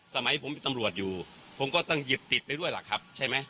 สมัยผมเป็นตำรวจอยู่ผมก็ต้องหยิบติดไปด้วยล่ะครับใช่ไหม